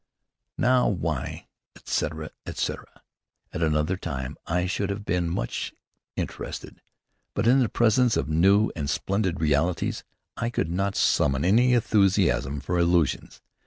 Now, why etc., etc. At another time I should have been much interested; but in the presence of new and splendid realities I could not summon any enthusiasm for illusions.